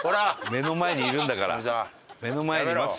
目の前にいるんだから。